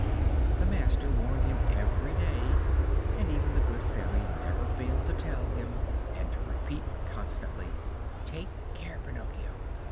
The master warned him every day, and even the good Fairy never failed to tell him and to repeat constantly: "Take care, Pinocchio!